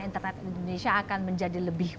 internet indonesia akan menjadi lebih